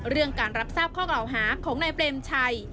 เรื่องการรับทราบข้อกล่าวหาของนายเปรมชัย